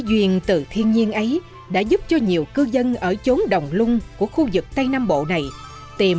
duyên từ thiên nhiên ấy đã giúp cho nhiều cư dân ở chốn đồng lung của khu vực tây nam bộ này tìm